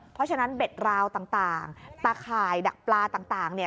เพราะฉะนั้นเบ็ดราวต่างตาข่ายดักปลาต่างเนี่ย